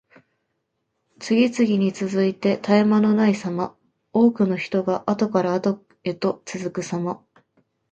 次々に続いて絶え間のないさま。多くの人があとからあとへと続くさま。